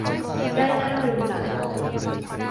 ได้หน้าลืมหลัง